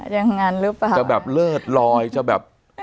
ยังงั้นรึเปล่าจะแบบเลิศลอยจะแบบ